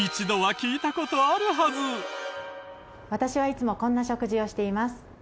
私はいつもこんな食事をしています。